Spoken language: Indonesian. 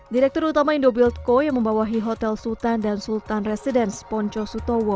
direktur utama indobuildco yang membawahi hotel sultan dan sultan residence ponco sutowo